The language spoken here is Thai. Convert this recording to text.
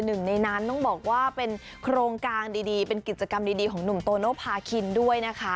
หนึ่งในนั้นต้องบอกว่าเป็นโครงการดีเป็นกิจกรรมดีของหนุ่มโตโนภาคินด้วยนะคะ